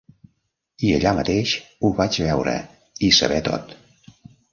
I allà mateix ho vaig veure i saber tot.